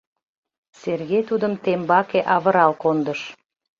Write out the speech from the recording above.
Сергей тудым тембаке авырал кондыш.